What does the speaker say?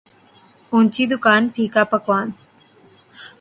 اونچی دکان پھیکا پکوان